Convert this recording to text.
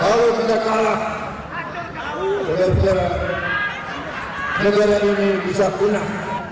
kalau kita kalah semoga negara ini bisa punah